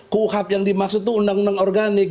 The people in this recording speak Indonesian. kuhab yang dimaksud itu undang undang organik